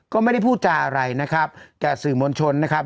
ก็ไม่ได้พูดจาอะไรนะครับแก่สื่อมวลชนนะครับ